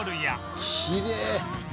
きれい！